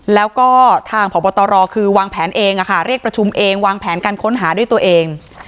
แล้วก็ทางพบตรคือวางแผนเองเรียกประชุมเองวางแผนการค้นหาด้วยตัวเอง